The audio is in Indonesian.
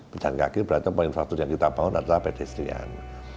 pejalan kaki berarti infrastruktur yang kita bangun adalah pedestrian